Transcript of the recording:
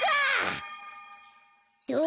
どう？